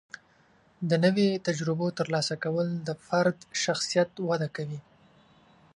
د نوي تجربو ترلاسه کول د فرد شخصیت وده کوي.